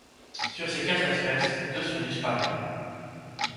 Sur ces quatre espèces, deux sont disparues.